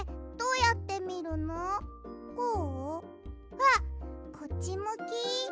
あっこっちむき？